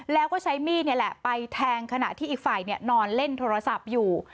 แล้วก็ใช้มีดนี่แหละไปแทงขณะที่อีกฝ่ายนอนเล่นโทรศัพท์อยู่